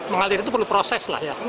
mengalir itu perlu proses